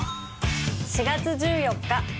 ４月１４日。